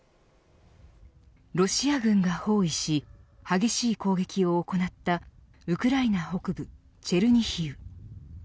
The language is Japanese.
ロシア軍が包囲し激しい攻撃を行ったウクライナ北部、チェルニヒウ。